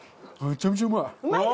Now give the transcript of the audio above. めちゃめちゃうまい！